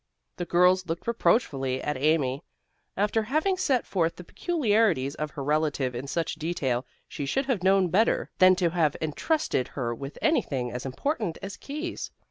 The girls looked reproachfully at Amy. After having set forth the peculiarities of her relative in such detail, she should have known better than to have entrusted her with anything as important as keys.